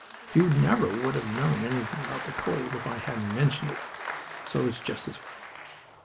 You never would have known anything about the cold if I hadn't mentioned it, so it's just as well.